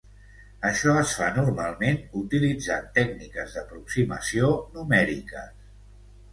Això es fa normalment utilitzant tècniques d'aproximació numèriques.